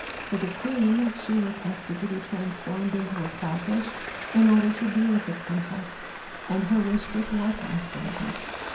For the queen, she requested to be transformed into a crawfish in order to be with the princess, and her wish was likewise granted.